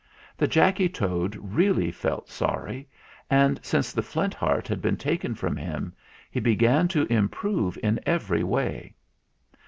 The Jacky Toad really felt sorry and, since the Flint Heart had been taken from him, he began to improve in every way.